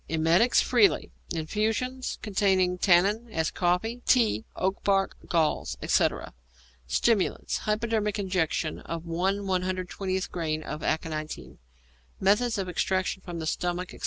_ Emetics freely; infusions containing tannin, as coffee, tea, oak bark, galls, etc. Stimulants. Hypodermic injection of 1/120 grain of aconitine. _Method of Extraction from the Stomach, etc.